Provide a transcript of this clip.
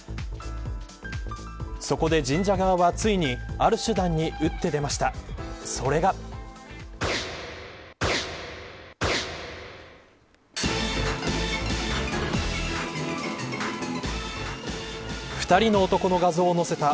そこで神社側はついにある手段に打って出ました。